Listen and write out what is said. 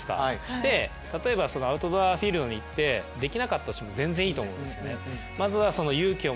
で例えばアウトドアフィールドに行ってできなかったとしても全然いいと思うんですよね。